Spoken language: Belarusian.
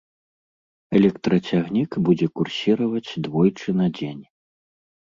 Электрацягнік будзе курсіраваць двойчы на дзень.